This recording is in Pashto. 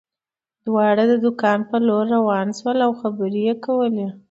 دواړه د کان په لور روان شول او خبرې یې کولې